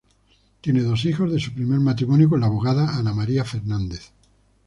Tiene dos hijos de su primer matrimonio con la abogada Ana María Fernández.